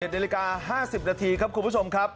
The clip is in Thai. เหตุเวลา๕๐นาทีครับคุณผู้ชมครับ